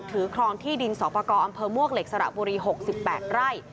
ถือครองที่ดินสปอมมเหล็กสระบุรี๖๑๘ไร่